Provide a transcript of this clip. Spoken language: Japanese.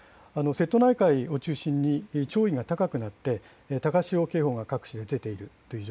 瀬戸内海を中心に潮位が高くなっていて、高潮警報が各地で出ています。